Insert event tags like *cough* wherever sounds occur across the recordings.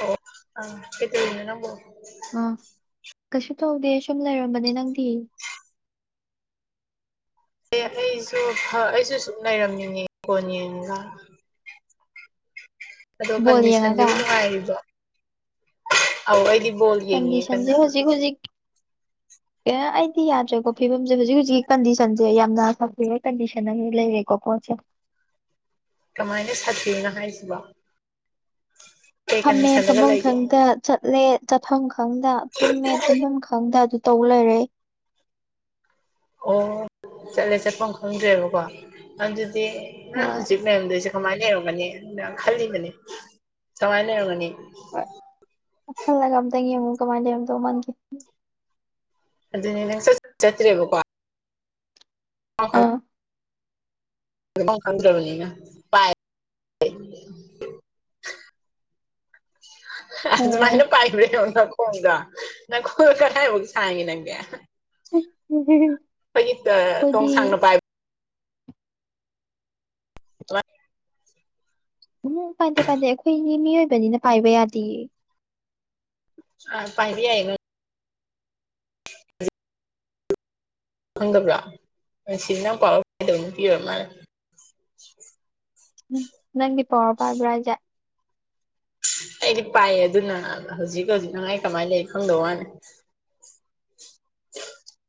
ꯑꯣ ꯑ ꯀꯩꯇꯧ ꯔꯤꯅꯣ ꯅꯪꯕꯣ ꯑ ꯀꯩꯁꯨ ꯇꯧꯗꯦ ꯁꯨꯝ ꯂꯩꯔꯝꯕꯅꯦ ꯅꯪꯗꯤ ꯑꯦ ꯑꯩꯁꯨ ꯐ ꯑꯩꯁꯨ ꯁꯨꯛ ꯂꯩꯔꯝꯃꯤꯅꯦ ꯐꯣꯟ ꯌꯦꯉꯒꯥ ꯑꯗꯣ ꯕꯣꯜ ꯌꯦꯡꯉꯒ ꯀꯟꯗꯤꯁꯟꯁꯤꯕꯨ ꯅꯨꯡꯉꯥꯏꯔꯤꯕꯣ ꯑꯧ ꯑꯩꯗꯤ ꯕꯣꯜ ꯌꯦꯡꯉꯦ ꯀꯟꯅ ꯀꯟꯗꯤꯁꯟꯖꯤ ꯍꯧꯖꯤꯛ ꯍꯧꯖꯤꯛ ꯑꯦ ꯑꯩꯗꯤ ꯌꯥꯗ꯭ꯔꯦꯀꯣ ꯐꯤꯕꯝꯁꯦ ꯍꯧꯖꯤꯛ ꯍꯧꯖꯤꯀꯤ ꯀꯟꯗꯤꯁꯟꯁꯦ ꯌꯥꯝꯅ ꯁꯥꯊꯤꯕ ꯀꯟꯗꯤꯁꯟ ꯑꯃ ꯂꯩꯔꯦ *unintelligible* ꯀꯃꯥꯏꯅ ꯁꯥꯊꯤꯔꯤꯅꯣ ꯍꯥꯏꯁꯤꯕꫭ *inaudible* ꯐꯝꯃꯦ ꯐꯝꯐꯝ ꯂꯩꯒꯦ ꯈꯪꯗ ꯆꯠꯂꯦ ꯆꯠꯐꯝ ꯈꯪꯗ ꯇꯨꯝꯃꯦ ꯇꯨꯝꯐꯝ ꯈꯪꯗ ꯑꯗꯨ ꯇꯧ ꯂꯩꯔꯦ ꯑꯣ ꯆꯠꯂꯦ ꯆꯠꯄ ꯈꯪꯗ꯭ꯔꯦꯕꯀꯣ ꯑꯗꯨꯗꯤ ꯅꯪ ꯍꯣꯏ ꯍꯧꯖꯤꯛ ꯂꯩꯔꯝꯗꯣꯏꯁꯦ ꯀꯃꯥꯏ ꯂꯩꯔꯝꯒꯅꯤ ꯑꯅ ꯈꯜꯂꯤꯕꯅꯦ ꯀꯥꯃꯥꯏ ꯂꯩꯔꯝꯒꯅꯤ ꯈꯥꯟꯂꯒ ꯑꯝꯇꯪ ꯌꯦꯡ ꯑꯃꯨꯛ ꯀꯃꯥꯏꯅ ꯂꯩꯔꯝꯗꯣ ꯃꯟꯒꯦ ꯑꯗꯨꯅꯦ ꯅꯪ ꯆꯠ ꯆꯠꯇ꯭ꯔꯦꯕꯀꯣ ꯑꯥ *unintelligible* ꯆꯠꯄꯝ ꯈꯪꯗ꯭ꯔꯕꯅꯤꯅ *unintelligible* ꯑ ꯑꯗꯨꯃꯥꯏꯅ ꯄꯥꯏꯈ꯭ꯔꯦꯕ ꯅꯪ ꯈꫭꯡꯗꫭ ꯅꯪ ꯈꯨꯠ ꯀꯗꯥꯏꯕꯨ ꯁꯥꯡꯉꯦ ꯅꯪꯒꯦ *unintelligible* ꯑꯩꯈꯣꯏꯒꯤ ꯇꫭꯡ ꯁꯥꯡꯅ ꯄꯥꯏꯕ *unintelligible* ꯎꯝ ꯄꯥꯏꯗꯦ ꯄꯥꯏꯗꯦ ꯑꯩꯈꯣꯏꯅꯤ ꯃꯤꯑꯣꯏꯕꯅꯤꯅ ꯄꯥꯏꯕ ꯌꯥꯗꯦꯌꯦ ꯑ ꯄꯥꯏꯕꯥ ꯍꯥꯏ ꯈꯪꯗꯕ꯭ꯔꯥ *unintelligible* ꯃꯥꯜꯂꯦ ꯎꯝ ꯅꯪꯒꯤ ꯄꯥꯋꯔꯔ ꯄꯥꯏꯕ꯭ꯔ ꯍꯥꯏꯖꯦ ꯑꯩꯗꯤ ꯄꯥꯏꯑꯦ ꯑꯗꯨꯅ ꯍꯧꯖꯤꯛ ꯍꯧꯖꯤꯛ ꯅꯪ ꯑꯩ ꯀꯃꯥꯏꯅ ꯂꯩ ꯈꯪꯗ ꯋꯥꯅꯤ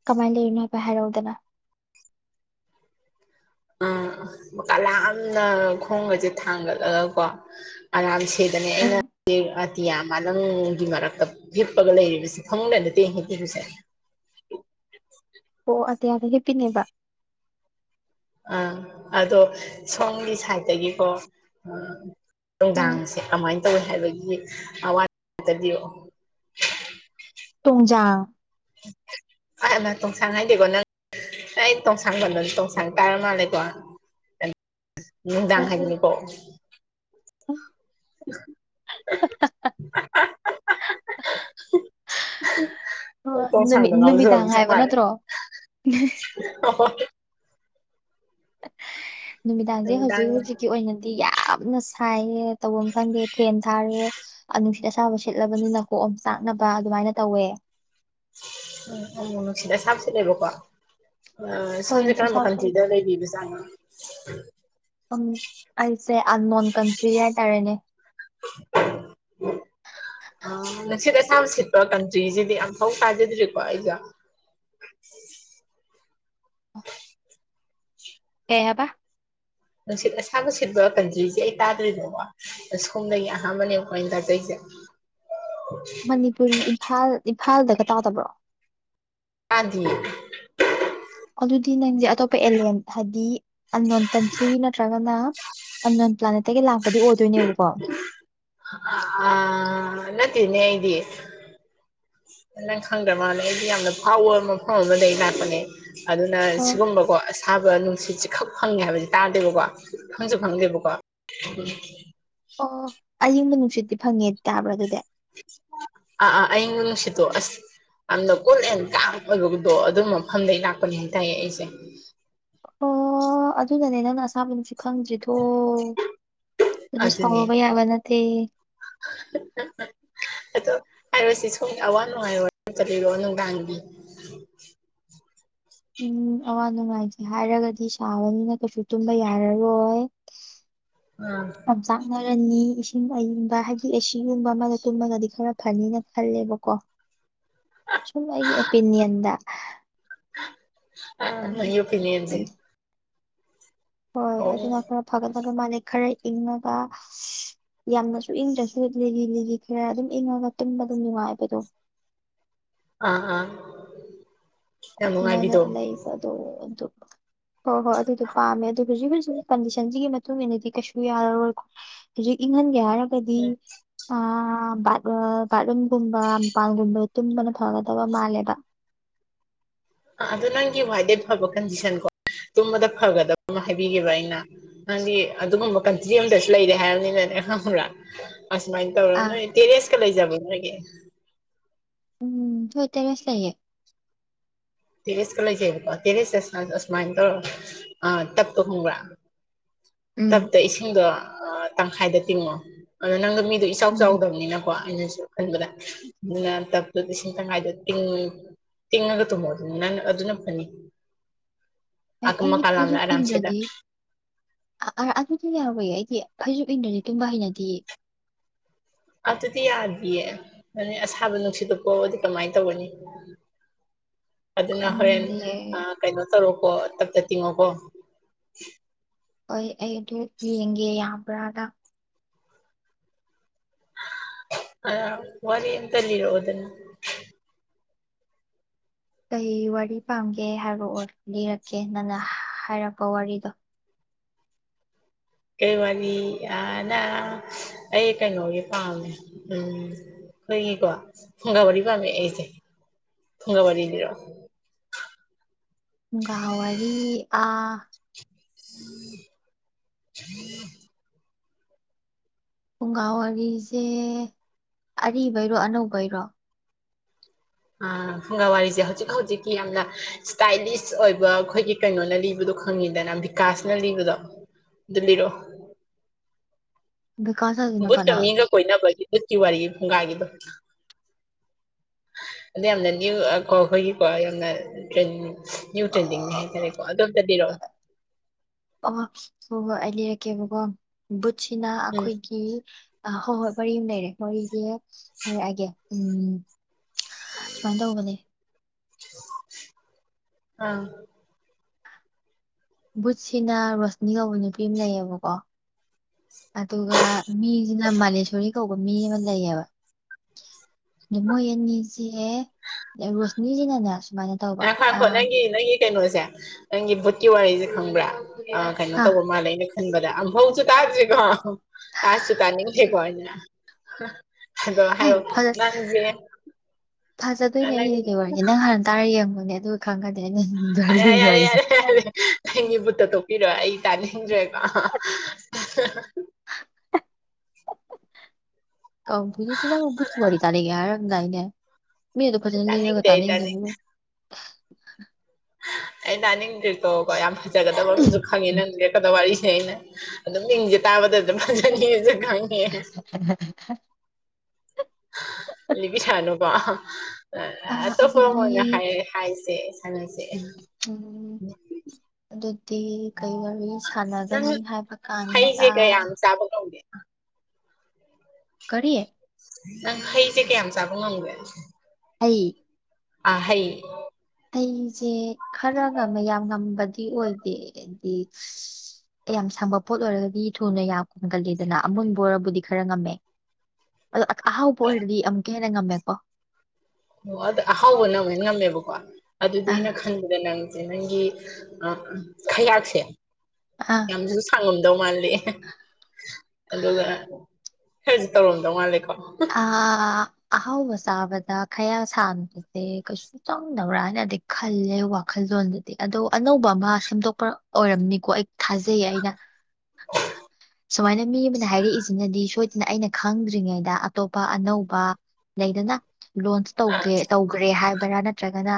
ꯀꯃꯥꯏꯅ ꯂꯩꯔꯤꯅꯣ ꯍꯥꯏꯐꯦꯠ ꯍꯥꯏꯔꯛꯎꯗꯥꯅ ꯎꯝ ꯃꯀꯥ ꯂꯝꯅ ꯈꯣꯡꯒꯁꯦ ꯊꯥꯡꯒꯠꯂꯒꯀꯣ ꯑꯔꯝ ꯁꯦꯗꯅꯦ ꯑꯩꯅ ꯎꯝ ꯑꯇꯤꯌꯥ ꯃꯥꯂꯪꯒꯤ ꯃꯔꯛꯇ ꯍꯤꯞꯄꯒ ꯂꯩꯔꯤꯕꯁꯤ ꯐꯥꯃꯨꯡ ꯗ ꯅꯠꯇꯦꯉꯦ ꯍꯤꯞꯄꯤꯕꯁꯦ ꯑꯣ ꯑꯇꯤꯌꯥꯗ ꯍꯦꯄꯤꯅꯦꯕ ꯑꯝ ꯑꯗꯣ ꯁꯣꯝꯒꯤ ꯁꯥꯏꯠꯇꯒꯤꯀꯣ ꯎꯝ ꯎꯝ ꯅꯨꯡꯗꯥꯡꯁꯦ ꯀꯃꯥꯏꯅ ꯇꯧꯏꯤ ꯍꯥꯏꯕꯒꯤ *unintelligible* ꯇꯨꯡꯖꯥꯡ *unintelligible* ꯇꫭꯡꯁꯥꯡ ꯍꯥꯏꯗꯦꯀꯣ ꯅꯪ ꯑꯩ ꯇꯣꯡꯁꯥꯡ ꯄꯟꯗꯝꯅꯤ ꯇꯣꯡꯁꯥꯡ ꯇꯥꯔ ꯃꯥꯜꯂꯦꯀꫭ ꯅꯨꯡꯗꯥꯡ ꯍꯣꯏ ꯍꯥꯏꯒꯅꯤꯀꯣ *inaudible* *inaudible* *inaudible* *unintelligible* ꯅꯨꯃꯤ ꯇꯣꯡꯁꯥꯡꯗꯣ ꯉꯥꯎꯖꯕ ꯅꯨꯃꯤꯗꯥꯡ ꯍꯥꯏꯕ ꯅꯠꯇ꯭ꯔꯣ ꯍꯣ ꯍꯣ ꯅꯨꯃꯤꯗꯥꯡꯁꯦ ꯅꯨꯡꯗꯥꯡ ꯍꯧꯖꯤꯛ ꯍꯧꯖꯤꯛꯀꯤ ꯑꯣꯏꯅꯗꯤ ꯌꯥꯝꯅ ꯁꯥꯏꯌꯦ ꯇꯧꯕꯃ ꯈꯪꯗꯦ ꯐꯦꯟ ꯊꯥꯔꯦ ꯑꯥ ꯅꯨꯡꯁꯤꯠ ꯑꯁꯥꯕ ꯁꯤꯠꯂꯕꯅꯤꯅ ꯀꯣꯑꯣꯝ ꯆꯥꯛꯅꯕ ꯑꯗꯨꯃꯥꯏꯅ ꯇꯧꯋꯦ ꯑꯣ ꯎ ꯅꯨꯡꯁꯤꯠ ꯑꯁꯥꯕ ꯁꯤꯠꯂꯦꯕꯀꯣ ꯑꯥ ꯍꯣꯏ ꯁꯣꯝꯁꯦ ꯅꯨꯡꯁꯤꯠ ꯀꯔꯝꯕ ꯑꯁꯥꯕ ꯀꯟꯇ꯭ꯔꯤꯗ ꯁꯤꯠꯂꯦ ꯂꯩꯕꯤꯕ ꯆꯥꯅꯣ ꯎꯝ ꯑꯩꯁꯦ ꯑꯟꯃꯣꯟ ꯀꯟꯇ꯭ꯔꯤ ꯍꯥꯏꯇꯥꯔꯦꯅꯦ *inaudible* ꯑ ꯅꯨꯡꯁꯤꯠ ꯑꯁꯥꯕ ꯁꯤꯠꯄ ꯀꯟꯇ꯭ꯔꯤꯁꯤꯗꯤ ꯑꯃ ꯐꯧ ꯇꯥꯖꯗ꯭ꯔꯤꯀꯣ ꯑꯩꯁꯦ ꯀꯩ ꯍꯥꯏꯕꯥ ꯅꯨꯡꯁꯤꯠ ꯑꯁꯥꯕꯨ ꯁꯤꯠꯕ ꯀꯟꯗ꯭ꯔꯤꯁꯦ ꯑꯩ ꯇꯥꯗ꯭ꯔꯤꯗꯒꯣ ꯑꯁꯣꯝꯗꯒꯤ ꯑꯍꯥꯟꯕꯅꯦ ꯈꯣꯏ ꯇꯥꯖꯩꯁꯦ ꯃꯅꯤꯄꯨꯔ ꯏꯝꯐꯥꯜ ꯏꯝꯐꯥꯜꯗꯒ ꯇꯧꯗꯕ꯭ꯔꯣ ꯇꯥꯗꯤꯌꯦ *inaudible* ꯑꯗꯨꯗꯤ ꯅꯪꯁꯦ ꯑꯇꯣꯞꯄ ꯑꯦꯂꯦꯟ ꯍꯥꯗꯤ ꯑꯅꯦꯟ ꯀꯟꯇ꯭ꯔꯤ ꯅꯠꯇ꯭ꯔꯒꯅ ꯑꯅꯦꯟ ꯄ꯭ꯂꯥꯅꯦꯠꯇꯒꯤ ꯂꯥꯛꯄꯗꯨ ꯑꯣꯏꯗꯣꯏꯅꯦꯕꯀꯣ ꯑ ꯅꯠꯇꯦꯅꯦ ꯑꯩꯗꯤ ꯅꯪ ꯈꯪꯗ꯭ꯔ ꯃꯥꯜꯂꯦ ꯑꯩꯗꯤ ꯌꯥꯝꯅ ꯐꯥꯎꯕ ꯃꯐꯝ ꯑꯃꯗꯒꯤ ꯂꯥꯛꯄꯅꯦ ꯑꯗꯨꯅ ꯑꯣ ꯁꯤꯒꯨꯝꯕ ꯀꯣ ꯑꯁꯥꯕ ꯅꯨꯡꯁꯤꯠꯁꯤ ꯈꯛ ꯐꯪꯉꯦ ꯍꯥꯏꯕꯁꯦ ꯇꯥꯗꯦꯕꯀꯣ ꯅꯪꯁꯨ ꯐꯪꯗꯦꯕꯀꯣ ꯑꯣ ꯑꯌꯤꯡꯕ ꯅꯨꯡꯁꯤꯠꯇꯤ ꯐꯪꯉꯦ ꯇꯥꯕ꯭ꯔꯥ ꯑꯗꯨꯗꯤ ꯑꯥ ꯑꯥ ꯑꯌꯤꯡꯕ ꯅꯨꯡꯁꯤꯠꯇꯣ ꯑꯁ ꯌꯥꯝꯅ ꯀꯨꯜ ꯑꯦꯟ ꯀꯥꯝ ꯑꯣꯏꯕꯒꯨꯝꯗꯣ ꯑꯗꯨꯝ ꯃꯐꯝꯗꯩ ꯂꯥꯛꯄꯅꯤ ꯍꯥꯏ ꯇꯥꯏꯌꯦ ꯑꯩꯁꯦ ꯑꯣ ꯑꯗꯨꯅꯅꯦ ꯅꯪꯅ ꯑꯁꯥꯕ ꯅꯨꯡꯁꯤꯠ ꯈꯪꯗ꯭ꯔꯤꯗꯣ ꯑꯗꯨ ꯑꯗꯨꯅꯦ ꯁꯥꯎꯔꯨꯕ ꯌꯥꯕ ꯅꯠꯇꯦ ꯑꯗꯣ ꯍꯥꯏꯔꯣꯁꯤ ꯁꯣꯝꯒꯤ ꯑꯋꯥ ꯅꯨꯡꯉꯥ ꯔꯣ *unintelligible* ꯅꯨꯡꯗꯥꯡꯒꯤ ꯎꯝ ꯑꯋꯥ ꯅꯨꯡꯉꯥꯏꯖꯦ ꯍꯥꯏꯔꯒꯗꯤ ꯁꯥꯕꯅꯤꯅ ꯀꯩꯁꯨ ꯇꯨꯝꯕ ꯌꯥꯔꯔꯣꯏ *unintelligible* ꯑꯥ ꯑꯣꯝ ꯆꯥꯛꯅꯔꯅꯤ ꯏꯁꯤꯡ ꯑꯏꯪꯕ ꯍꯥꯏꯗꯤ ꯑꯦꯁꯤꯒꯨꯝꯕ ꯑꯃꯒ ꯇꯨꯝꯃꯒꯗꯤ ꯈꯔ ꯐꯅꯤꯅ ꯈꯜꯂꯦꯕꯀꯣ ꯁꯨꯝ ꯑꯩꯒꯤ ꯑꯣꯄꯤꯅꯤꯌꯟꯗ ꯑꯥ ꯂꯩꯌꯦ ꯑꯣꯄꯤꯅꯤꯌꯟꯁꯦ ꯍꯣꯏ ꯑꯣ ꯑꯗꯨꯅ ꯈꯔ ꯐꯒꯗꯕ ꯃꯥꯜꯂꯦ ꯈꯔ ꯏꯪꯉꯒ ꯌꯥꯝꯅꯁꯨ ꯏꯪꯗ꯭ꯔꯁꯨ ꯂꯤꯔꯤ ꯂꯤꯔꯤ ꯈꯔ ꯑꯗꯨꯝ ꯏꯪꯉꯒ ꯇꯨꯝꯕꯗꯨ ꯅꯨꯡꯉꯥꯏꯕꯗꯣ ꯑꯥ ꯑꯥ ꯌꯥꯝ ꯅꯨꯉꯥꯏꯕꯤꯗꯣ ꯗꯨ ꯑꯗꯨ ꯍꯣꯏ ꯍꯣꯏ ꯑꯗꯨꯗꯣ ꯄꯥꯝꯃꯦ ꯑꯗꯨ ꯍꯨꯖꯤꯛ ꯍꯨꯖꯤꯛ ꯀꯟꯗꯤꯁꯟꯁꯤꯒꯤ ꯃꯇꯨꯡ ꯏꯟꯅꯗꯤ ꯀꯩꯁꯨ ꯌꯥꯔꯔꯣꯏꯀꯣ ꯍꯨꯖꯤꯛ ꯏꯪꯍꯟꯒꯦ ꯍꯥꯏꯔ ꯒꯔꯤ ꯎꯝ ꯑꯥ ꯕꯥꯠꯔꯣ ꯕꯥꯠꯔꯨꯝꯒꯨꯝꯕ ꯃꯄꯥꯟꯒꯨꯝꯕ ꯇꯨꯝꯕꯅ ꯐꯒꯗꯕ ꯃꯥꯜꯂꯦꯕ ꯑ ꯑꯗꯨ ꯅꯪꯒꯤ ꯋꯥꯏꯗꯩ ꯐꯕ ꯀꯟꯗꯤꯁꯟ ꯀꯣ ꯇꯨꯝꯕꯗ ꯐꯒꯗꯝꯃꯥ ꯍꯥꯏꯕꯤꯒꯦꯕ ꯑꯩꯅ ꯅꯪꯗꯤ ꯑꯗꯨꯒꯨꯝꯕ ꯀꯟꯇ꯭ꯔꯤ ꯑꯝꯗꯁꯨ ꯂꯩꯔꯦ ꯍꯥꯏꯔꯃꯤꯅꯅꯦ ꯈꯪꯕ꯭ꯔꯥ ꯑꯁꯨꯃꯥꯏ ꯇꯧꯔ ꯑꯥ ꯅꯣꯏ ꯇꯦꯔꯦꯁꯀꯥ ꯂꯩꯖꯕꯔ ꯅꯣꯢꯒꯤ ꯎꯝ ꯍꯣꯢ ꯇꯦꯔꯦꯁ ꯂꯩꯌꯦ ꯇꯦꯔꯤꯦꯁꯀ ꯂꯩꯖꯩꯕꯗꯣ ꯇꯦꯔꯤꯦꯁꯀ ꯁꯥꯏꯟ ꯑꯁꯨꯃꯥꯏ ꯇꯧꯔ ꯑ ꯇꯞꯄ ꯈꯪꯕꯔꯥ ꯎꯝ ꯇꯞꯄ ꯏꯁꯤꯡꯗꯣ ꯇꯪꯈꯥꯏꯗ ꯇꯤꯡꯉꯣ ꯑꯗꯨ ꯅꯪꯒ ꯃꯤꯗꯣ ꯏꯆꯥꯎ ꯎꯝ ꯆꯥꯎꯗꯕꯅꯤꯅꯀꯣ ꯑꯩꯅꯁꯨ ꯈꯟꯕꯗ ꯑꯗꯨꯅ ꯇꯞꯇꯨ ꯂꯤꯁꯤꯡ ꯇꯪꯉꯥꯏꯗ ꯇꯤꯡ ꯇꯤꯡꯉꯒ ꯇꯨꯝꯃꯣ ꯑꯗꯨꯝ ꯅꯪ ꯑꯗꯨꯅ ꯐꯅꯤ ꯑꯦ ꯑꯀꯟ ꯑꯩꯗꯤ ꯃꯀꯥ ꯂꯥꯝꯅ ꯑꯔꯥꯝꯁꯦꯗ ꯑꯥ ꯑꯥ ꯑꯗꯨꯗꯤ ꯂꯩꯍꯧꯋꯦ ꯑꯩꯒꯤ ꯐꯩꯖꯨꯞ ꯏꯟꯗꯗꯤ ꯇꯨꯝꯕ ꯍꯩꯅꯗꯤꯌꯦ ꯑꯗꯨꯗꯤ ꯌꯥꯗꯤꯌꯦ *unintelligible* ꯑꯁꯥꯕ ꯅꯨꯡꯁꯤꯠꯇꯣ ꯄꯣꯛꯑꯗꯤ ꯀꯃꯥꯏ ꯇꯧꯒꯅꯤ *inaudible* ꯑꯗꯨꯅ ꯍꯣꯔꯦꯟ ꯈꯪꯗꯦ ꯑꯥ ꯀꯩꯅꯣ ꯇꯧꯔꯣꯀꯣ ꯇꯞ ꯇꯞ ꯇꯤꯡꯉꯣꯀꯣ ꯍꯣꯏ ꯑꯩ ꯑꯗꯨ ꯌꯦꯡꯒꯦ ꯌꯥꯕ꯭ꯔꯥꯅ ꯑ ꯋꯥꯔꯤ ꯑꯝꯇꯥ ꯂꯤꯔꯛꯑꯣꯗꯅ ꯀꯩ ꯋꯥꯔꯤ ꯄꯥꯝꯒꯦ ꯍꯥꯏꯔꯣꯑꯣ ꯂꯤꯔꯛꯀꯦ ꯅꯪꯅ ꯍꯥꯏꯔꯛꯄ ꯋꯥꯔꯤꯗꯣ ꯀꯩ ꯋꯥꯔꯤ ꯑ ꯅ ꯑꯩ ꯀꯩꯅꯣꯒꯤ ꯄꯥꯝꯃꯦ ꯎꯝ ꯑꯈꯣꯢꯒꯤ ꯀꯣ ꯐꯨꯡꯒꯥ ꯋꯥꯔꯤ ꯄꯥꯝꯃꯤ ꯑꯩꯁꯦ ꯐꯨꯡꯒꯥ ꯋꯥꯔꯤ ꯂꯤꯔꯛꯑꯣ ꯐꯨꯡꯒꯥ ꯋꯥꯔꯤ ꯑ *unintelligible* ꯐꯨꯡꯒꯥ ꯋꯥꯔꯤꯁꯦ ꯑꯔꯤꯕꯩꯔꯣ ꯑꯅꯧꯕꯩꯔꯣ ꯐꯨꯡꯒꯥ ꯋꯥꯔꯤꯁꯦ ꯍꯧꯖꯤꯛ ꯍꯧꯖꯤꯛꯀꯤ ꯌꯥꯝꯅ ꯏꯁ꯭ꯇꯥꯏꯂꯤꯁ ꯑꯣꯏꯕ ꯑꯩꯈꯣꯏꯒꯤ ꯀꯩꯅꯣꯅ ꯂꯤꯕꯗꯣ ꯈꯪꯉꯤꯗꯅ ꯕꯤꯀꯥꯁꯅ ꯂꯤꯕꯗꯣ ꯑꯗꯨ ꯂꯤꯔꯛꯑꯣ ꯕꯀꯥꯁ ꯕꯨꯠ ꯀꯃꯤꯒ ꯀꯣꯏꯅꯕꯒꯤ ꯕꯨꯠꯀꯤ ꯋꯥꯔꯤ ꯐꯨꯡꯒꯥꯒꯤꯗꯣ ꯑꯗ ꯌꯥꯝꯅ ꯅ꯭ꯨ ꯀꯣ ꯑꯩꯈꯣꯏꯒꯤꯀꯣ ꯌꯥꯝꯅ ꯇ꯭ꯔꯅꯤꯡ ꯅ꯭ꯌꯨ ꯇ꯭ꯔꯦꯟꯗꯤꯡꯅꯦ ꯍꯥꯏꯇꯥꯔꯦꯀꯣ ꯑꯗꯨ ꯑꯝ ꯇꯄꯤꯔꯛꯑꯣ ꯑ ꯍꯣꯏ ꯍꯣꯏ ꯑꯩ ꯂꯩꯔꯛꯀꯦꯕꯀꯣ ꯕꯨꯠꯁꯤꯅ ꯎꯝ ꯑꯩꯈꯣꯏꯒꯤ ꯑ ꯍꯣꯏ ꯍꯣꯏ ꯋꯥꯔꯤ ꯑꯃ ꯂꯩꯔꯦ ꯋꯥꯔꯤꯖ ꯍꯥꯢꯔꯛꯑꯒꯦ ꯎꯝ ꯁꯨꯃꯥꯏꯅ ꯇꯧꯕ ꯅꯦ ꯑꯥ ꯕꯨꯠꯁꯤꯅ ꯔꯣꯁꯅꯤ ꯀꯧꯕ ꯅꯨꯄꯤ ꯑꯃ ꯂꯩꯌꯦꯕꯀꯣ ꯑꯗꯨꯒ ꯃꯤꯁꯤꯅ ꯃꯥꯂꯦꯁꯣꯔꯤ ꯀꯧꯕ ꯃꯤ ꯑꯃ ꯂꯩꯌꯦꯕ ꯃꯣꯏ ꯑꯅꯤꯁꯦ ꯔꯣꯁꯅꯤꯁꯤꯅꯅꯦ ꯁꯨꯃꯥꯏꯅ ꯇꯧꯕ ꯉꯥꯢꯈꫭ ꯑ ꯉꯥꯢꯈꫭ ꯅꯪꯒꯤ ꯅꯪꯒꯤ ꯀꯩꯅꯣꯁꯦ ꯅꯪꯒꯤ ꯕꯨꯠ ꯋꯥꯔꯤꯁꯦ ꯈꯪꯕ꯭ꯔꯥ ꯑ ꯀꯩꯅꯣ ꯇꯧꯕ ꯃꯥꯜꯂꯦ ꯑꯩꯅ ꯈꯟꯕꯗ ꯑꯝꯐꯧꯁꯨ ꯇꯥꯗ꯭ꯔꯤꯀꯣ ꯇꯥꯁꯨꯨ ꯇꯥꯅꯤꯡꯗꯦꯀꯣ ꯑꯩꯅ ꯑꯗꯣ ꯍꯦ ꯍꯥꯏꯔꯛꯑꯣ ꯅꯪꯁꯦ ꯊꯥꯖꯗꯣꯏꯅꯦ ꯑꯩꯅ ꯅꯪ ꯂꯤꯒꯤ ꯋꯥꯔꯤꯁꯦ ꯅꯪ ꯍꯥꯟꯅ ꯇꯥꯔ ꯌꯦꯡꯉꯣꯅꯦ ꯑꯗꯨ ꯈꯪꯒꯅꯤ ꯑꯩꯅꯗ ꯂꯤꯗꯣꯔꯤꯁꯦ ꯑꯪꯒꯤ ꯕꯨꯠꯇꯣ ꯇꯣꯛꯄꯤꯔꯣ ꯑꯩ ꯇꯥꯅꯤꯡꯗ꯭ꯔꯦꯀꯣ ꯀꯕ ꯍꯖꯤꯛꯇ ꯅꯪꯅ ꯚꯨꯠꯀꯤ ꯋꯥꯔꯤ ꯇꯥꯅꯤꯉꯦ ꯍꯥꯏꯔꯒ ꯃꯤꯗꯣ ꯐꯖꯟꯅ ꯂꯤꯔꯒ ꯇꯥꯅꯤꯡꯗꯦ ꯑꯩ ꯇꯥꯅꯤꯡ ꯇꯥꯅꯤꯡꯗꯦꯕꯨ ꯑꯩ ꯇꯥꯅꯤꯡꯗꯦꯀꯣ ꯌꯥꯝ ꯐꯖꯒꯗꯕ ꯑꯃꯁꯨ ꯈꯪꯉꯦ ꯅꯪ ꯂꯤꯔꯛꯀꯗꯕ ꯋꯥꯔꯤꯁꯦ ꯑꯩꯅ ꯑꯗꯨꯝ ꯃꯤꯡꯁꯦ ꯇꯥꯕꯗ ꯑꯗꯨꯝ ꯐꯖꯅꯤꯖꯦ ꯈꯪꯉꯦ *unintelligible* ꯂꯤꯕꯤꯔꯛꯑꯥ ꯅꯨꯀꯦ ꯑ ꯑꯇꯣꯞꯄ ꯑꯃ ꯑꯗꯨꯗꯤ ꯑꯣꯏꯅ ꯍꯥꯏ ꯍꯥꯏꯁꯦ ꯁꯥꯟꯅꯁꯦ ꯎꯝ ꯑꯗꯨꯗꯤ ꯀꯩ ꯋꯥꯔꯤ ꯁꯥꯟꯅꯒꯅꯤ ꯍꯥꯏꯕ ꯀꯥꯟꯗ ꯆꯥꯕꯉꯝꯒꯦ ꯀꯔꯤ ꯅꯪ ꯍꯩꯁꯦ ꯀꯌꯥꯝ ꯆꯥꯕ ꯉꯝꯒꯦ ꯍꯩ ꯑ ꯍꯩ ꯑꯩꯁꯦ ꯈꯔꯒ ꯃꯌꯥꯝ ꯉꯝꯕꯗꯤ ꯑꯣꯏꯗꯦ ꯍꯥꯏꯗꯤ ꯌꯥꯝ ꯁꯪꯕ ꯄꯣꯠ ꯑꯣꯏꯔꯒꯗꯤ ꯊꯨꯅ ꯌꯥꯝ ꯀꯨꯟꯒꯜꯂꯤꯗꯅ ꯑꯃꯨꯟꯕ ꯑꯣꯏꯔꯕꯨꯗꯤ ꯈꯔ ꯉꯝꯃꯦ ꯑꯍꯥꯎꯕ ꯑꯣꯏꯔꯗꯤ ꯑꯃꯨꯛꯀ ꯍꯦꯟꯅ ꯉꯝꯃꯦꯀꯣ ꯑꯣ ꯑꯗ ꯑꯍꯥꯎꯕ ꯅꯪ ꯍꯅ ꯉꯝꯃꯦꯕꯀꯣ ꯑꯗꯨꯗꯤ ꯑꯥ ꯑꯩꯅ ꯈꯟꯕꯗ ꯅꯪ ꯆꯦ ꯅꯪꯒꯤ ꯈꯌꯥꯥꯛꯁꯦ ꯑꯥ ꯑꯗꯨꯝ ꯁꯥꯡꯉꯝꯗꯧ ꯃꯥꯜꯂꯦ ꯑꯗꯨꯒ ꯈꯁꯨ ꯇꯧꯔꯝꯗꯧ ꯃꯥꯜꯂꯦꯀꯣ ꯑ ꯑꯍꯥꯎꯕ ꯆꯥꯕꯗ ꯈꯌꯥ ꯁꯥꯡꯕꯁꯦ ꯀꯩ ꯆꯪꯗꯕ꯭ꯔꯥ ꯍꯥꯏꯅꯗꯤ ꯈꯜꯂꯦ ꯋꯥꯈꯜꯂꯣꯟꯗꯗꯤ ꯑꯗꯣ ꯑꯅꯧꯕ ꯑꯃ ꯁꯦꯝꯗꯣꯛꯄ ꯑꯣꯏꯔꯝꯅꯤꯀꯣ ꯊꯥꯖꯩꯌꯦ ꯑꯩꯅ ꯁꯨꯃꯥꯏꯅ ꯃꯤ ꯑꯃꯅ ꯍꯥꯏꯔꯛꯏꯁꯤꯅꯗꯤ ꯁꯣꯢ ꯑꯩꯅ ꯈꯪꯗ꯭ꯔꯤꯉꯩꯗ ꯑꯇꯣꯞꯄ ꯑꯅꯧꯕ ꯂꯩꯗꯅ ꯂꯣꯟ ꯁ ꯇꯧꯒ꯭ꯔꯦ ꯇꯧꯈ꯭ꯔꯦ ꯍꯥꯏꯕꯔꯥ ꯅꯠꯇ꯭ꯔꯒꯅ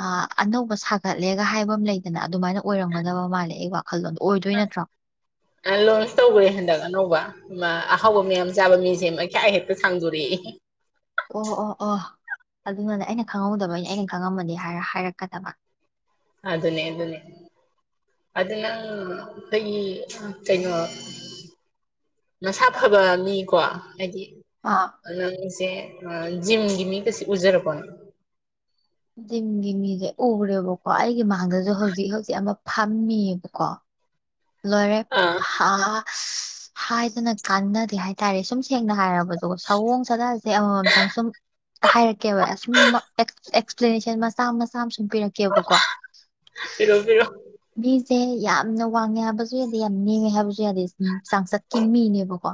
ꯑ ꯑꯅꯧꯕ ꯁꯥꯒꯠꯂꯦꯒ ꯍꯥꯏꯕ ꯑꯃ ꯂꯩ ꯑꯗꯨꯅ ꯑꯗꯨꯃꯥꯏꯅ ꯑꯣꯏꯔꯝꯒꯗꯕ ꯃꯥꯜꯂꯦ ꯑꯩ ꯋꯥꯈꯜꯂꯣꯟꯗꯣ ꯑꯣꯏꯗꯣꯏ ꯅꯠꯇ꯭ꯔꯣ ꯑ ꯂꯣꯟꯁ ꯇꯧꯋꯦ ꯍꯟꯗꯛ ꯑꯅꯧꯕ ꯑꯍꯥꯎꯕ ꯃꯌꯥꯝ ꯆꯥꯕ ꯃꯤꯁꯦ ꯃꯈꯌꯥ ꯍꯦꯛꯇ ꯁꯥꯡꯗꯣꯔꯛꯑꯦ ꯑꯣ ꯑꯣ ꯑꯣ ꯑꯗꯨꯅꯅꯦ ꯑꯩꯅ ꯈꯪꯍꯧꯗꯕꯩꯅ ꯑꯩꯅ ꯈꯪꯉꯝꯃꯅꯤ ꯍꯥꯏꯔ ꯍꯥꯏꯔꯛꯀꯗꯕ ꯑꯗꯨꯅꯦ ꯑꯗꯨꯅꯦ ꯑꯗꯨ ꯅꯪ ꯇꯒꯤ ꯀꯩꯅꯣ ꯃꯁꯥ ꯐꯕ ꯃꯤꯀꯣ ꯍꯥꯏꯗꯤ ꯑꯥ ꯅꯪꯁꯦ ꯖꯤꯝꯒꯤ ꯃꯤ ꯒꯁꯦ ꯎꯖꯔꯕꯣ ꯖꯤꯝꯒꯤ ꯃꯤꯁꯦ ꯎꯔꯦꯕꯀꯣ ꯑꯩꯒꯤ ꯃꯥꯡꯗꯁꯨ ꯍꯧꯖꯤꯛ ꯍꯧꯖꯤꯛ ꯑꯃ ꯐꯝꯃꯤꯌꯦꯕꯀꯣ ꯂꯣꯏꯔꯦ ꯑꯥ ꯍꯥ ꯍꯥ ꯍꯥꯏꯗꯅ ꯀꯥꯟꯅꯗꯦ ꯍꯥꯏꯇꯥꯔꯦ ꯁꯨꯝ ꯁꯦꯡꯅ ꯍꯥꯏꯔꯕꯗꯨ ꯁꯑꯣꯡ ꯁꯥꯗꯥꯁꯦ ꯑꯃꯃꯝꯇ ꯁꯨꯝ ꯍꯥꯏꯔꯛꯀꯦꯕ ꯑꯁꯨꯝ ꯑꯦꯛꯁ ꯑꯦꯛꯁꯄ꯭ꯂꯦꯅꯦꯁꯟ ꯃꯆꯥ ꯃꯆꯥ ꯑꯃ ꯁꯨꯝ ꯄꯤꯔꯛꯀꯦꯕꯀꯣ ꯄꯤꯔꯣ ꯄꯤꯔꯣ ꯃꯤꯁꯦ ꯌꯥꯝꯅ ꯋꯥꯡꯉꯦ ꯍꯥꯏꯕꯁꯨ ꯌꯥꯗꯦ ꯌꯥꯝ ꯅꯦꯝꯃꯦ ꯍꯥꯏꯕꯁꯨ ꯌꯥꯗꯦ ꯆꯥꯡꯆꯠꯀꯤ ꯃꯤꯅꯦꯕꯀꯣ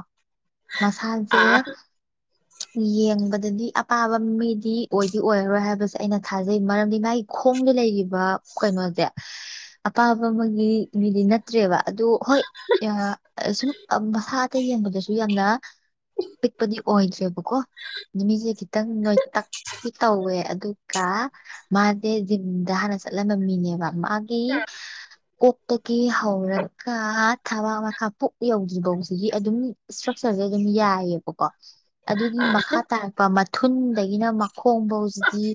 ꯃꯁꯥꯁꯦ ꯑꯥ ꯌꯦꯡꯕꯗꯗꯤ ꯑꯄꯥꯕ ꯃꯤꯗꯤ ꯑꯣꯏꯗꯤ ꯑꯣꯏꯔꯔꯣꯏ ꯍꯥꯏꯕꯁꯦ ꯑꯩꯅ ꯊꯥꯖꯩ ꯃꯔꯝꯗꯤ ꯃꯥꯒꯤ ꯈꯣꯡꯗ ꯂꯩꯔꯤꯕ ꯀꯩꯅꯣꯁꯦ ꯑꯄꯥꯕ ꯑꯃꯒꯤ ꯃꯤꯗꯤ ꯅꯠꯇ꯭ꯔꯦꯕ ꯑꯗꯨ ꯍꯣꯏ ꯁꯨꯝ ꯃꯁꯥ ꯑꯇꯩ ꯌꯦꯡꯕꯗꯁꯨ ꯌꯥꯝꯅ ꯄꯤꯛꯄꯗꯤ ꯑꯣꯏꯗ꯭ꯔꯦꯕꯀꯣ ꯅꯨꯃꯤꯠꯁꯦ ꯈꯤꯇꯪ ꯅꯣꯏꯇꯛꯇꯤ ꯇꯧꯋꯦ ꯑꯗꯨꯒ ꯃꯥꯁꯦ ꯖꯤꯝꯗ ꯍꯥꯟꯅ ꯆꯠꯂꯝꯕ ꯃꯤꯅꯦꯕ ꯃꯥꯒꯤ ꯀꯣꯛ ꯒꯤ ꯍꯧꯔꯒ ꯊꯥꯕꯥꯛ ꯃꯈꯥ ꯄꯨꯛ ꯌꯧꯗ꯭ꯔꯤ ꯐꯧꯁꯤꯗꯤ ꯑꯗꯨꯝ ꯏꯁꯇ꯭ꯔꯛꯆꯔꯖꯦ ꯑꯗꯨꯝ ꯌꯥꯏꯌꯦꯕꯀꯣ ꯑꯗꯨꯒꯤ ꯃꯈꯥ ꯇꯥꯔꯛꯄ ꯃꯊꯨꯟꯗꯒꯤꯅ ꯃꯈꯣꯡ ꯐꯥꯎꯖꯤꯗꯤ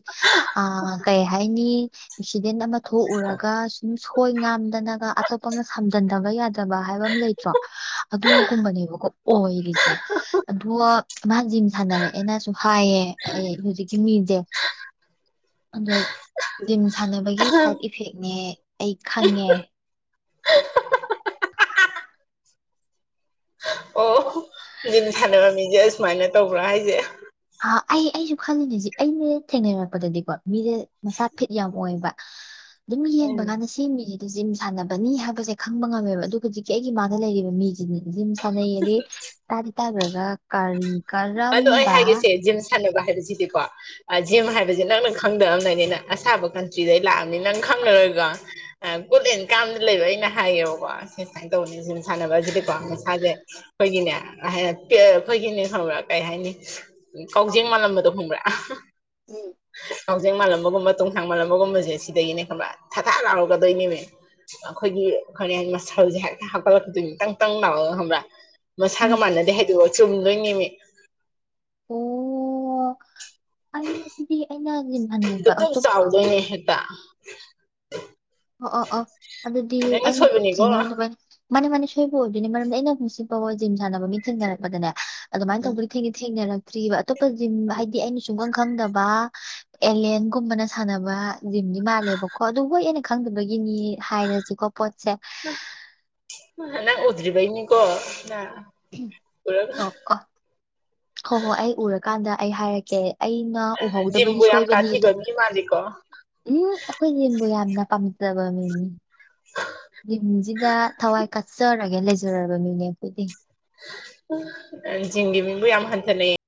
ꯑ ꯀꯩ ꯍꯥꯏꯅꯤ ꯑꯦꯛꯁꯤꯗꯦꯟ ꯑꯃ ꯊꯣꯛꯎꯔꯒ ꯁꯨꯝ ꯁꯣꯏ ꯉꯝꯗꯅꯒ ꯑꯇꯣꯞꯄꯅ ꯁꯝꯖꯟꯗꯕ ꯌꯥꯗꯦ ꯐꯠꯇꯕ ꯍꯥꯏꯕ ꯑꯃ ꯂꯩꯇ꯭ꯔꯣ ꯑꯗꯨꯒꯨꯝꯕꯅꯦꯕꯀꯣ ꯑꯣꯏꯔꯤꯁꯦ ꯑꯗꯨꯒ ꯃꯥ ꯖꯤꯝ ꯁꯥꯟꯅꯔꯛꯑꯦꯅꯁꯨ ꯍꯥꯏꯌꯦ ꯑꯩ ꯍꯧꯖꯤꯛꯀꯤ ꯃꯤꯁꯦ ꯑꯗꯣ ꯖꯤꯝ ꯁꯥꯟꯅꯕꯒꯤ ꯁꯥꯏꯠ ꯏꯐꯦꯛꯅꯦ ꯑꯩ ꯈꯪꯉꯦ ꯑꯣ ꯖꯤꯝ ꯁꯥꯟꯅꯕ ꯃꯤꯁꯦ ꯑꯁꯨꯃꯥꯏꯅ ꯇꯧꯕ꯭ꯔꯥ ꯍꯥꯏꯁꯦ ꯑ ꯑꯩ ꯑꯩꯁꯨ ꯈꯜꯂꯤꯅꯦꯖꯤꯛ ꯑꯩꯅ ꯊꯦꯡꯅꯔꯛꯄꯗꯗꯤꯀꯣ ꯃꯤꯁꯦ ꯃꯁꯥ ꯐꯤꯠ ꯌꯥꯝ ꯑꯣꯏꯕ ꯑꯗꯨꯝ ꯎꯝ ꯌꯦꯡꯕ ꯀꯥꯟꯅ ꯁꯤ ꯁꯤ ꯃꯤꯁꯤꯗ ꯖꯤꯝ ꯁꯥꯟꯅꯕꯅꯤ ꯍꯥꯏꯕꯁꯦ ꯈꯪꯕ ꯉꯝꯃꯦꯕ ꯑꯗꯨꯒ ꯍꯧꯖꯤꯛꯀꯤ ꯑꯩꯒꯤ ꯃꯥꯗ ꯂꯩꯔꯤꯕ ꯃꯤꯁꯤꯅ ꯖꯤꯝ ꯁꯥꯟꯅꯩꯌꯦꯗꯤ ꯇꯔ ꯇꯥꯕꯒ ꯀꯔ ꯀꯔꯝꯕ ꯁꯅꯕ ꯍꯥꯏꯕꯁꯤꯗꯤꯀꯣ ꯖꯤꯝ ꯍꯥꯏꯕꯁꯤ ꯅꯪꯅ ꯈꯪꯗꯑꯕꯅꯅꯤꯅ ꯑꯁꯥꯕ ꯀꯟꯇ꯭ꯔꯤꯗꯩ ꯂꯥꯛꯑꯕꯅꯤ ꯅꯪ ꯈꯪꯉꯔꯣꯏꯒꯣ ꯒꯨꯗ ꯑꯦꯟ ꯀꯥꯝꯗ ꯂꯩꯕ ꯑꯩꯅ ꯍꯥꯏꯌꯦꯕꯀꯣ ꯁꯤ ꯁꯨꯃꯥꯏꯅ ꯇꯧꯕꯅꯤ ꯁꯤ ꯖꯤꯝ ꯁꯥꯟꯅꯕ ꯑꯁꯤꯗꯤꯀꯣ ꯃꯁꯥꯁꯦ ꯑꯈꯣꯏꯒꯤꯅꯦ ꯑꯈꯣꯏꯒꯤꯅꯦ ꯀꯩ ꯍꯥꯏꯅꯤ ꯀꯥꯎꯖꯦꯡ ꯃꯥꯜꯂꯝꯕꯗꯣ ꯍꯣꯡꯕ꯭ꯔꯥ ꯎꯝ ꯀꯥꯎꯖꯤꯡ ꯃꯥꯜꯂꯝꯕꯒꯨꯝꯕ ꯇꯣꯡꯁꯥꯡ ꯃꯥꯜꯂꯝꯕꯒꯨꯝꯕꯁꯦ ꯁꯤꯗꯒꯤꯅꯦ ꯈꯟꯕ ꯊꯥꯗꯥ ꯂꯥꯎꯔꯒꯗꯣꯏꯅꯦꯅꯦ ꯑꯩꯈꯣꯏꯒꯤ ꯀ ꯍꯥꯏ ꯃꯁꯜꯁꯦ ꯍꯥꯏ ꯍꯥꯞꯀꯠꯂꯛꯈꯤꯗꯣꯏꯅꯤꯇꯪꯇꯪ ꯥꯎꯒ ꯈꯪꯕ꯭ꯔꯥ ꯃꯁꯥꯒ ꯃꯥꯟꯅꯗꯦ ꯍꯥꯏꯗꯣꯛꯑꯒ ꯆꯨꯝꯗꯣꯏꯅꯤꯃꯤ ꯑꯣ ꯑꯩ ꯑꯗꯨꯗꯤ ꯑꯩꯅ ꯌꯦꯃꯕ ꯑꯇꯣꯞꯄ ꯑ ꯍꯦꯗ ꯑꯣ ꯑꯣ ꯑꯣ ꯑꯗꯨꯗꯤ ꯅꯪꯅ ꯑꯩꯅ ꯁꯣꯏꯕꯅꯤꯀꯣ ꯆꯟꯅꯧꯗꯅꯕ ꯃꯥꯅꯦ ꯃꯥꯅꯦ ꯁꯣꯏꯕ ꯑꯣꯏꯗꯣꯏꯅꯤ ꯃꯔꯝꯗꯤ ꯑꯩꯅ ꯍꯧꯨꯁꯤꯛ ꯐꯥꯎꯕ ꯖꯤꯝ ꯁꯥꯟꯅꯕ ꯃꯤ ꯊꯅꯔꯛꯄꯗꯅꯦ ꯑꯗꯨꯃꯥꯏꯅ ꯇꯧꯕꯗ ꯊꯦꯡꯅꯔꯛꯇ꯭ꯔꯤꯕ ꯑꯇꯣꯞꯄ ꯖꯤꯝ ꯍꯥꯏꯗꯤ ꯑꯩꯅ ꯁꯨꯡ ꯈꯪꯗꯕ ꯑꯦꯂꯦꯟꯒꯨꯝꯕꯅ ꯁꯥꯟꯅꯕ ꯖꯤꯝꯗꯤ ꯃꯥꯜꯂꯦꯕꯀꯣ ꯑꯗꯨꯕꯨ ꯍ ꯈꯪꯗꯕꯒꯤꯅꯤ ꯍꯥꯏꯔꯁꯤꯀꯣ ꯄꯣꯁꯦ ꯅꯪ ꯎꯗ꯭ꯔꯤꯔꯤꯕꯩꯅꯤꯀꯣ ꯎꯝ ꯑꯣ ꯀꯣ ꯍꯣꯏ ꯍꯣꯏ ꯑꯩ ꯎꯔꯀꯥꯟꯗ ꯑꯩ ꯍꯥꯏꯔꯛꯀꯦ ꯑꯩꯅ ꯎꯍꯧꯗꯕꯗꯤ ꯖꯤꯝꯕꯨ ꯌꯥꯝ ꯁꯣꯏꯕꯅꯤ ꯑꯗꯣ ꯇꯥꯊꯤꯕ ꯃꯤ ꯃꯥꯜꯂꯤꯀꯣ ꯎꯝ ꯑꯩꯈꯣꯏ ꯌꯦꯦꯝꯕꯨ ꯌꯥꯝꯅ ꯄꯥꯝꯃꯤ ꯖꯕ ꯃꯤꯅꯤꯁꯤꯗ ꯊꯋꯥꯏ ꯀꯆꯔ ꯒ ꯂꯩꯦ ꯖꯣꯔꯔ ꯑꯗꯨ ꯃꯤꯅꯦ ꯀꯣꯏꯗꯤ ꯖꯤꯡꯒꯤ ꯃꯤꯡꯕꯨ ꯌꯥꯝ ꯍꯟꯊꯅꯩꯌꯦ